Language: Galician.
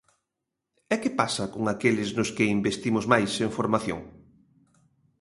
¿E que pasa con aqueles nos que investimos máis en formación?